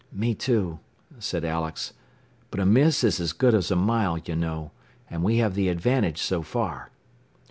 "Me too," said Alex. "But a miss is as good as a mile, you know. And we have the advantage so far."